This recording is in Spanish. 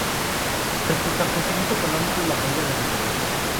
Respecto al crecimiento económico y la caída de reservas.